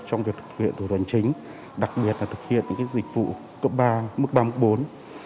trong việc thực hiện tổ chức đoàn chính đặc biệt là thực hiện những dịch vụ cấp ba mức ba mức bốn